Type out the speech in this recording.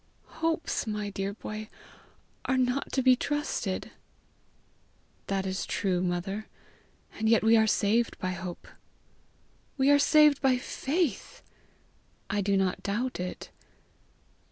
"Hopes, my dear hoy, are not to be trusted." "That is true, mother; and yet we are saved by hope." "We are saved by faith." "I do not doubt it."